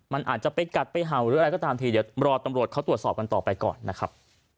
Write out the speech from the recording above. มันอาจจะไปกัดไปเห่าหรืออะไรก็ตามทีเดี๋ยวรอตำรวจเขาตรวจสอบกันต่อไปก่อนนะครับ